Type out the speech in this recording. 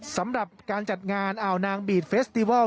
สำหรับการจัดงานอ่าวนางบีดเฟสติวัล